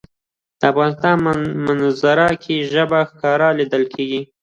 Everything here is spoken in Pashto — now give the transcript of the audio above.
د افغانستان په منظره کې ژبې ښکاره لیدل کېږي.